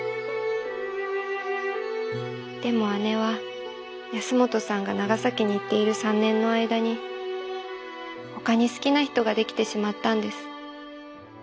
でも姉は保本さんが長崎に行っている３年の間にほかに好きな人が出来てしまったんです。